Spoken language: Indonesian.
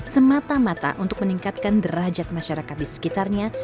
semata mata untuk meningkatkan derajat masyarakat di sekitarnya